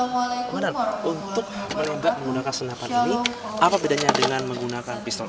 menar untuk menggunakan senjata ini apa bedanya dengan menggunakan pistol